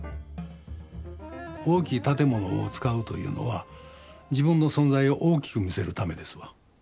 大きいたてものを使うというのは自分の存在を大きく見せるためですわ。